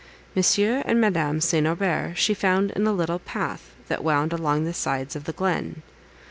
Monsieur and Madame St. Aubert she found in a little path that wound along the sides of the glen.